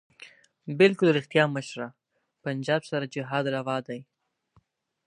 بلکل ريښتيا مشره پنجاب سره جهاد رواح دی